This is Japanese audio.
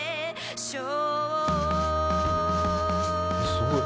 すごい。